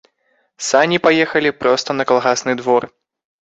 Сані паехалі проста на калгасны двор.